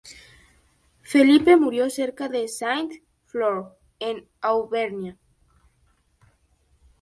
Felipe murió cerca de Saint-Flour en Auvernia.